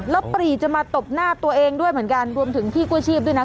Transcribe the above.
แล้วปรีจะมาตบหน้าตัวเองด้วยเหมือนกันรวมถึงพี่กู้ชีพด้วยนะ